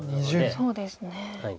そうですね。